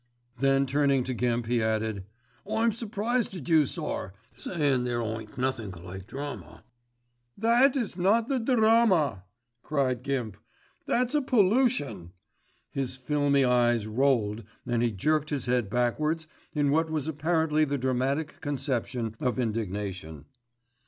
Then turning to Gimp he added, "I'm surprised at you, sir, sayin' there ain't nothink like the drama." "That is not the Deraaama," cried Gimp. "That's a pollution," his filmy eyes rolled and he jerked his head backwards in what was apparently the dramatic conception of indignation.